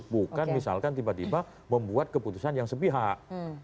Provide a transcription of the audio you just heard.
bukan misalkan tiba tiba membuat keputusan yang sepihak